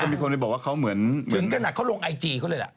ก็มีคนบอกว่าเขาร่วมไอจีเขาเลย